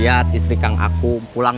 saat kamu berkata doang